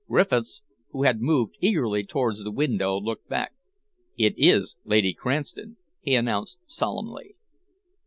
Griffiths, who had moved eagerly towards the window, looked back. "It is Lady Cranston," he announced solemnly.